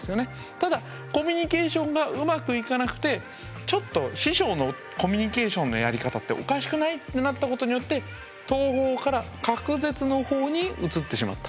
ただコミュニケーションがうまくいかなくてちょっと師匠のコミュニケーションのやり方っておかしくない？ってなったことによって統合から隔絶のほうに移ってしまった。